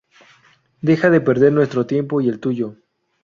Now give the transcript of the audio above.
Deja de perder nuestro tiempo y el tuyo".